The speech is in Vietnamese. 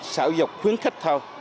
sở dục khuyến khích thôi